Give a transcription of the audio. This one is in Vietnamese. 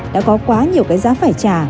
đã có quá nhiều cái giá phải trả